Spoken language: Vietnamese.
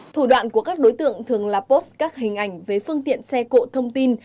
thủ đoạn của các đối tượng thường là post các hình ảnh về phương tiện xe cộ thông tin